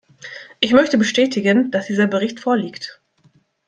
Ich möchte bestätigen, dass dieser Bericht vorliegt.